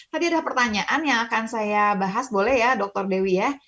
tadi ada pertanyaan yang akan saya bahas boleh ya dr dewi ya